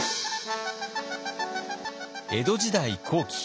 江戸時代後期。